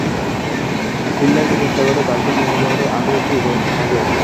Finland উপসাগরে Baltic নৌবহরের আর একটি ঘাঁটি আছে।